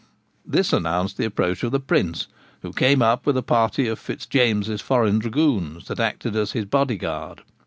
This announced the approach of the Prince, who came up with a party of Fitz James's foreign dragoons that acted as his body guard.